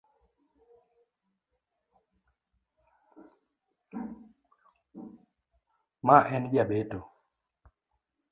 Ma en jabeto.